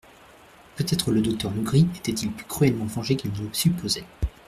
Peut-être le docteur Legris était-il plus cruellement vengé qu'il ne le supposait.